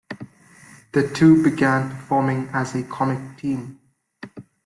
The two began performing as a comic team.